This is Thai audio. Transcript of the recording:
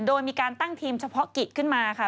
โดยมีการตั้งทีมเฉพาะกิจขึ้นมาค่ะ